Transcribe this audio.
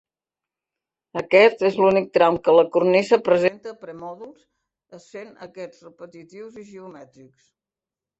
Aquests és l'únic tram que la cornisa presenta permòdols, essent aquests repetitius i geomètrics.